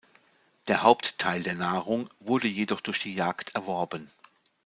Der Hauptteil der Nahrung wurde jedoch durch die Jagd erworben.